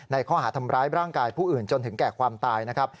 ข้อหาทำร้ายร่างกายผู้อื่นจนถึงแก่ความตายนะครับ